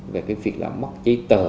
về cái việc là mất chế tờ